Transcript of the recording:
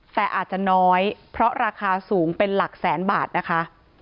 แต่อาจจะน้อยเพราะราคาสูงเป็นหลักแสนบาทนะคะ